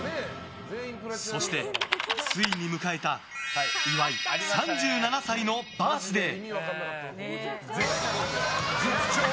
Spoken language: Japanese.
そして、ついに迎えた岩井３７歳のバースデー。